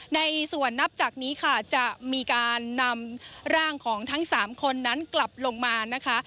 ในส่วนนับจากนี้ค่ะจะมีการนำร่างของทั้ง๓คนนั้นกลับลงมานะคะ